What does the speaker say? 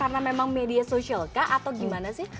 karena memang media sosial kah atau gimana sih